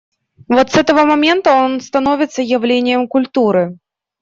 Вот с этого момента он становится явлением культуры.